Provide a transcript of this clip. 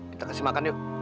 kita kasih makan yuk